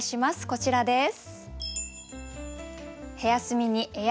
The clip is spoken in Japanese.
こちらです。